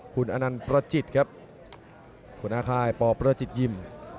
คุณอนันต์ประจิตครับหัวหน้าค่ายปประจิตยิม